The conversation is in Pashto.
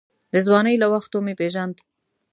د ځوانۍ له وختو مې پېژاند.